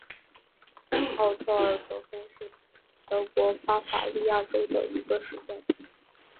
奥特尔芬格是德国巴伐利亚州的一个市镇。